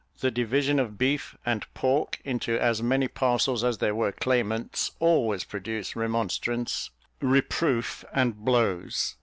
The division of beef and pork into as many parcels as there were claimants, always produced remonstrance, reproof, and blows.